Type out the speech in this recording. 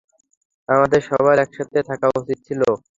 আমাদের সবার একসাথে থাকা উচিত ছিল।